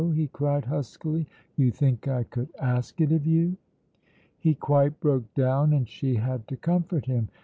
he cried huskily. "You think I could ask it of you!" He quite broke down, and she had to comfort him.